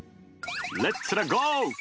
レッツラゴー！